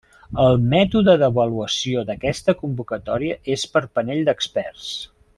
El mètode d'avaluació d'aquesta convocatòria és per panell d'experts.